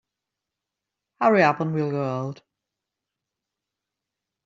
Hurry up and we'll go out.